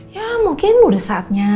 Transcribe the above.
ya mungkin udah saatnya